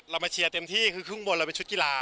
มาเชียร์เต็มที่คือข้างบนเราเป็นชุดกีฬา